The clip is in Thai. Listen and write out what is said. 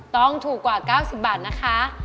ต้องถูกกว่า๙๐บาทนะคะ